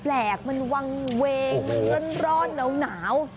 แปลกมันวังเวงค่อนร้อนเหล่า